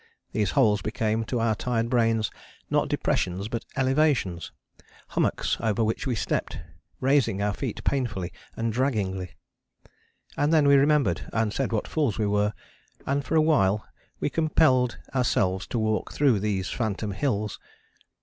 These holes became to our tired brains not depressions but elevations: hummocks over which we stepped, raising our feet painfully and draggingly. And then we remembered, and said what fools we were, and for a while we compelled ourselves to walk through these phantom hills.